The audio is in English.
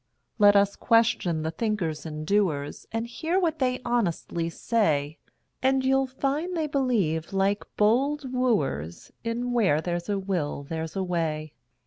Let us question the thinkers and doers, And hear what they honestly say; And you'll find they believe, like bold wooers, In "Where there's a will there's a way."